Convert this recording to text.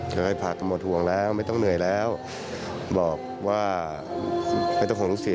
ก็เลยผักก็หมดห่วงแล้วไม่ต้องเหนื่อยแล้วบอกว่าไม่ต้องห่วงลูกศิษ